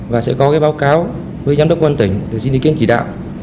và sẽ có cái báo cáo với giám đốc quân tỉnh để xin ý kiến chỉ đạo